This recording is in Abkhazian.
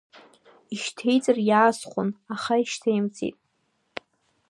Ишьҭеиҵар иаасхәон, аха ишьҭеимҵеит.